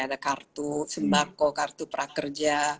ada kartu sembako kartu prakerja